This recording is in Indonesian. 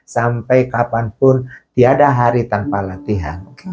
sampai kapanpun tiada hari tanpa latihan